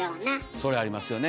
それありますよね。